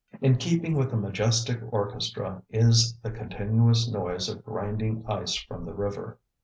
In keeping with the majestic orchestra is the continuous noise of grinding ice from the river.